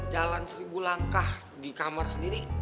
jalan seribu langkah di kamar sendiri